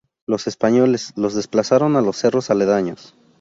Los españoles los desplazaron a los cerros aledaños.